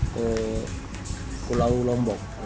ke pulau lombok